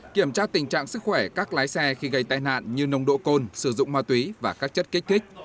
kiểm tra tình trạng sức khỏe các lái xe khi gây tai nạn như nông độ côn sử dụng ma túy và các chất kích thích